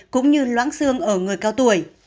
cũng như loãng xương ở người cao tuổi